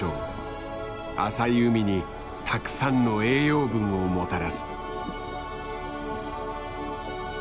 浅い海にたくさんの栄養分をもたらす。